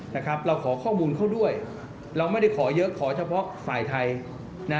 เราขอข้อมูลเขาด้วยเราไม่ได้ขอเยอะขอเฉพาะฝ่ายไทยนะ